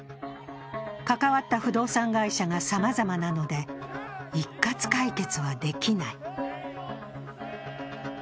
関わった不動産会社がさまざまなので、一括解決はできない。